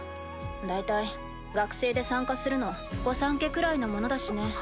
だいたい学生で参加するの御三家くらいのものだしね。